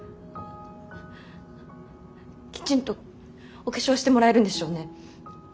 きちんとお化粧してもらえるんでしょうね。